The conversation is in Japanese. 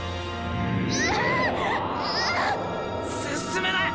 進めない！